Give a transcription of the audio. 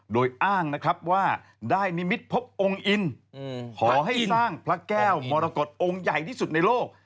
โดยอ้างนะครับว่าได้นิมิตพบองค์อินขอให้สร้างพระแก้วมรกฏองค์ใหญ่ที่สุดในโลก